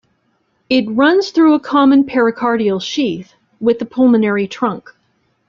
It runs through a common pericardial sheath with the pulmonary trunk.